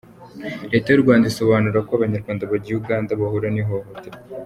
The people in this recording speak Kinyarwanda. Leta y’u Rwanda isobanura ko Abanyarwanda bagiye Uganda bahura n’ihohoterwa.